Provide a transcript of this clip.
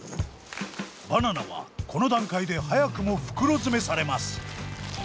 バナナはこの段階で早くも袋詰めされます。